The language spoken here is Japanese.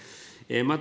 また、